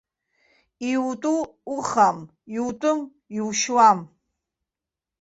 Иутәу ухам, иутәым, иушьам.